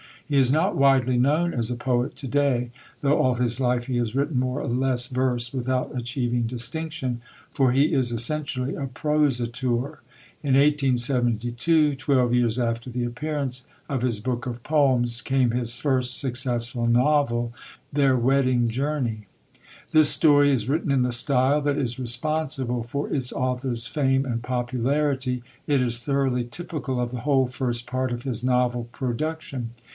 He is not widely known as a poet to day, though all his life he has written more or less verse without achieving distinction; for he is essentially a prosateur. In 1872, twelve years after the appearance of his book of poems, came his first successful novel, Their Wedding Journey. This story is written in the style that is responsible for its author's fame and popularity; it is thoroughly typical of the whole first part of his novel production.